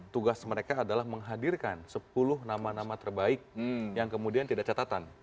tugas mereka adalah menghadirkan sepuluh nama nama terbaik yang kemudian tidak catatan